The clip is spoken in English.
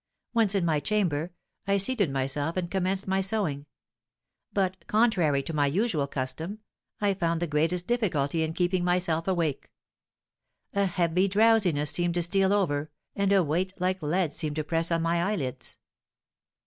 Once in my chamber, I seated myself and commenced my sewing; but, contrary to my usual custom, I found the greatest difficulty in keeping myself awake. A heavy drowsiness seemed to steal over, and a weight like lead seemed to press on my eyelids.